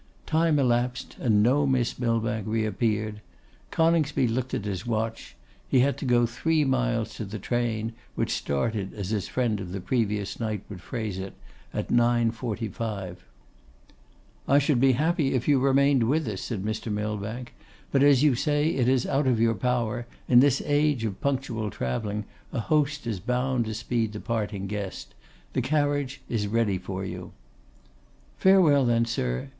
Time elapsed, and no Miss Millbank reappeared. Coningsby looked at his watch; he had to go three miles to the train, which started, as his friend of the previous night would phrase it, at 9.45. 'I should be happy if you remained with us,' said Mr. Millbank; 'but as you say it is out of your power, in this age of punctual travelling a host is bound to speed the parting guest. The carriage is ready for you.' 'Farewell, then, sir.